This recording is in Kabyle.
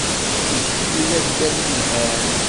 Tikli d addal yelhan.